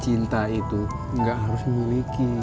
cinta itu nggak harus dimuliki